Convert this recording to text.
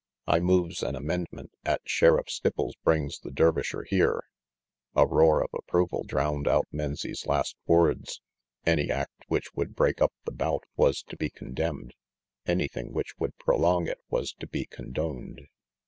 I moves an amendment 'at Sheriff Stipples brings the Dervisher here " A roar of approval drowned out Menzie's last words. Any act which would break up the bout was to be condemned; anything which would prolong it was to be condoned.